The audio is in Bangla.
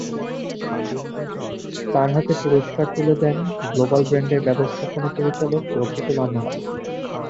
তাঁর হাতে পুরস্কার তুলে দেন গ্লোবাল ব্র্র্যান্ডের ব্যবস্থাপনা পরিচালক রফিকুল আনোয়ার।